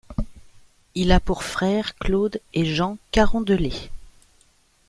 Il a pour frère Claude et Jean Carondelet.